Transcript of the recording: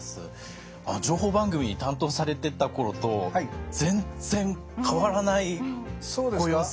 情報番組担当されてた頃と全然変わらないご様子。